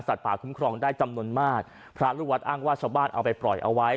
ป่าคุ้มครองได้จำนวนมากพระลูกวัดอ้างว่าชาวบ้านเอาไปปล่อยเอาไว้